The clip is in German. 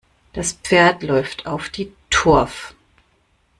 Das Pferd läuft auf die Turf.